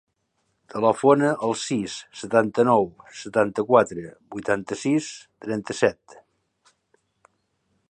Telefona al sis, setanta-nou, setanta-quatre, vuitanta-sis, trenta-set.